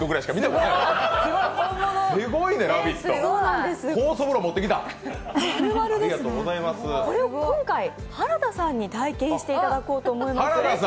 これを今回、原田さんに試してもらおうと思います。